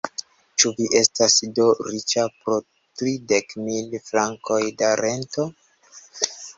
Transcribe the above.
Ĉu vi estas do riĉa po tridek mil frankoj da rento?